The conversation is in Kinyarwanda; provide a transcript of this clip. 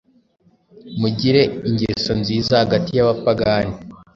mugire ingeso nziza hagati y’abapagani,